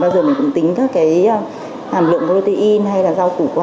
bao giờ mình cũng tính các cái hàm lượng protein hay là rau củ quả